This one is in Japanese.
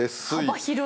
幅広い。